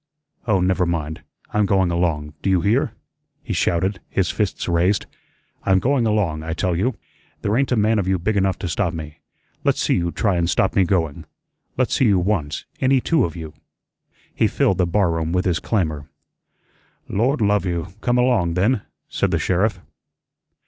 Oh, never mind, I'm going along. Do you hear?" he shouted, his fists raised, "I'm going along, I tell you. There ain't a man of you big enough to stop me. Let's see you try and stop me going. Let's see you once, any two of you." He filled the barroom with his clamor. "Lord love you, come along, then," said the sheriff.